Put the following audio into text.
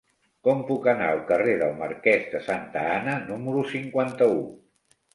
Com puc anar al carrer del Marquès de Santa Ana número cinquanta-u?